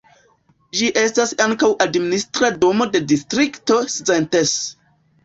Ĝi estas ankaŭ administra domo de Distrikto Szentes.